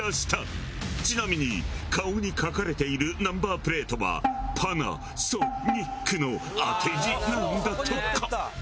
ちなみに顔に描かれているナンバープレートは「パナソニック」の当て字なんだとか。